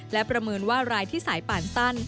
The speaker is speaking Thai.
และประเมินว่ารายที่สายป่านสั้น